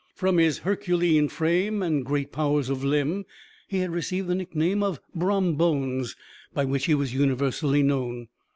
From his Herculean frame and great powers of limb, he had received the nickname of Brom Bones, by which he was universally known.